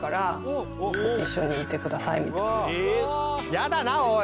やだなおい